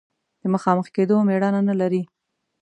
د مخامخ کېدو مېړانه نه لري.